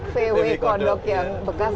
vw kodok yang bekas